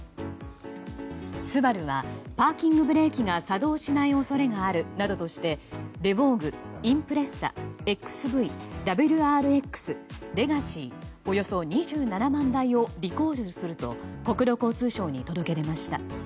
スバルはパーキングブレーキが作動しない恐れがあるなどとしてレヴォーグ、インプレッサＸＶ、ＷＲＸ、レガシィおよそ２７万台をリコールすると国土交通省に届け出ました。